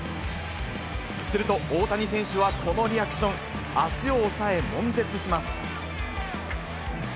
すると大谷選手はこのリアクション、足を押さえ、もん絶します。